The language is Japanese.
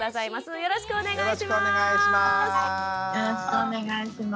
よろしくお願いします。